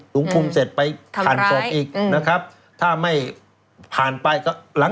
ถุงคุมเสร็จไปทันตรงอีกนะครับถ้าไม่ผ่านไป